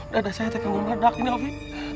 dada saya tekan mau meledak ini opi